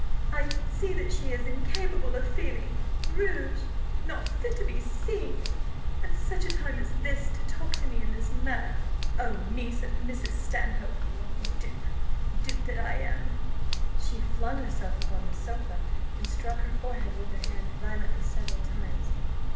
I see that she is incapable of feeling. Rouge! not fit to be seen! At such a time as this, to talk to me in this manner! Oh, niece of Mrs. Stanhope! dupe! dupe that I am!" She flung herself upon the sofa, and struck her forehead with her hand violently several times.